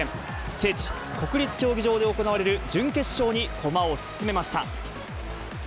聖地、国立競技場で行われる準決勝に駒を進めました。